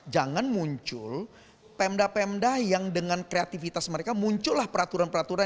jangan muncul pemda pemda yang dengan kreativitas mereka muncullah peraturan peraturan